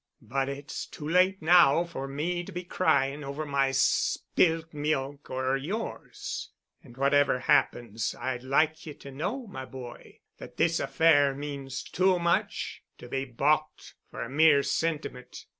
But it's too late now for me to be crying over my spilt milk or yours. And whatever happens I'd like ye to know, my boy, that this affair means too much—to be balked for a mere sentiment.